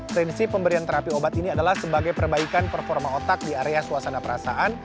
prinsip pemberian terapi obat ini adalah sebagai perbaikan performa otak di area suasana perasaan